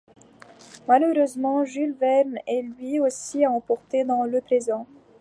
Malheureusement, Jules Verne est lui aussi emporté dans le présent.